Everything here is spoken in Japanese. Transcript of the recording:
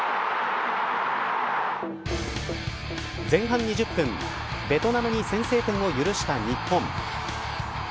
前半２０分ベトナムに先制点を許した日本。